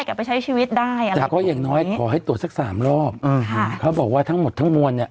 กลับไปใช้ชีวิตได้อ่ะแต่ก็อย่างน้อยขอให้ตรวจสักสามรอบอ่าฮะเขาบอกว่าทั้งหมดทั้งมวลเนี้ย